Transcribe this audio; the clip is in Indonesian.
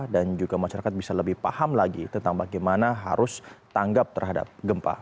dan juga masyarakat bisa lebih paham lagi tentang bagaimana harus tanggap terhadap gempa